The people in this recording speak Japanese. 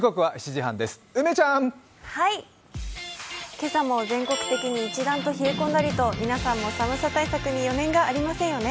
今朝も全国的に一段と冷え込んだりと皆さんも寒さ対策に余念がありませんよね。